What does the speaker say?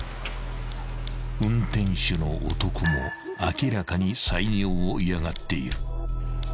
［運転手の男も明らかに採尿を嫌がっている］